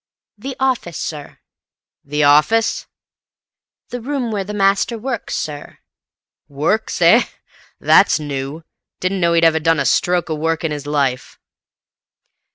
"The office, sir." "The office?" "The room where the master works, sir." "Works, eh? That's new. Didn't know he'd ever done a stroke of work in his life."